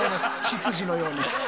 執事のように。